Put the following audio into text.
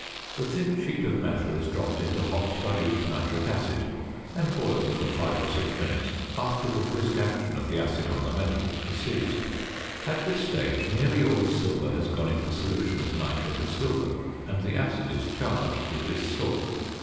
~ The thin sheet of metal is dropped into hot dilute nitric acid and boiled for five or six minutes after the brisk action of the acid on the metal has ceased. At this stage nearly all the silver has gone into solution as nitrate of silver and the acid is charged with this salt.